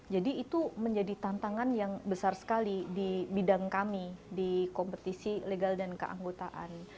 jadi itu menjadi tantangan yang besar sekali di bidang kami di kompetisi legal dan keanggotaan